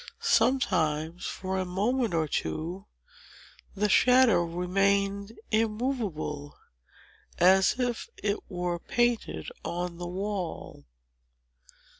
Sometimes, for a moment or two, the shadow remained immovable, as if it were painted on the wall.